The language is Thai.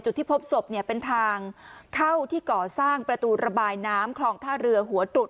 ที่พบศพเนี่ยเป็นทางเข้าที่ก่อสร้างประตูระบายน้ำคลองท่าเรือหัวตรุษ